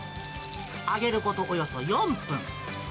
揚げることおよそ４分。